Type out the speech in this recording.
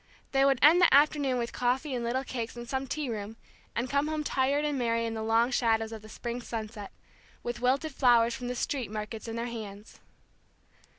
They would end the afternoon with coffee and little cakes in some tea room, and come home tired and merry in the long shadows of the spring sunset, with wilted flowers from the street markets in their hands.